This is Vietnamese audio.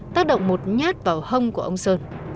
tác động một nhát vào hông của ông sơn